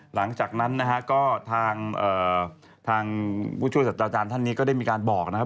หลังจากนั้นนะฮะก็ทางผู้ช่วยสัตว์อาจารย์ท่านนี้ก็ได้มีการบอกนะครับ